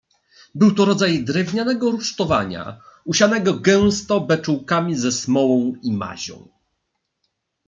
"Był to rodzaj drewnianego rusztowania, usianego gęsto beczułkami ze smołą i mazią."